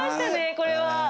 これは。